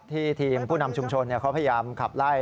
ทีมผู้นำชุมชนเขาพยายามขับไล่